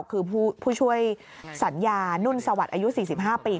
คือผู้ช่วยสัญญานนุนศาวัตน์อายุ๔๕ปี